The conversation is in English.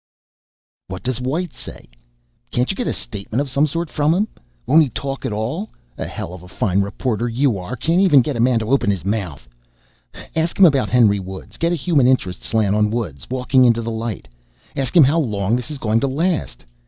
"What does White say?... Can't you get a statement of some sort from him? Won't he talk at all? A hell of a fine reporter you are can't even get a man to open his mouth. Ask him about Henry Woods. Get a human interest slant on Woods walking into the light. Ask him how long this is going to last.